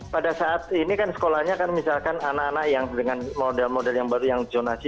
pada saat ini kan sekolahnya kan misalkan anak anak yang dengan model model yang baru yang jonasi